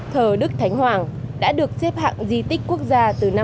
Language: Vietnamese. thờ đức thánh hoàng đã được xếp hạng di tích quốc gia từ năm một nghìn chín trăm tám mươi tám